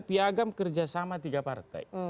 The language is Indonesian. piagam kerjasama tiga partai